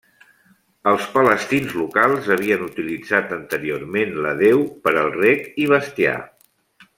Els palestins locals havien utilitzat anteriorment la deu per al reg i bestiar.